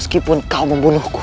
sekalipun kau membunuhku